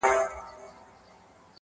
گلي,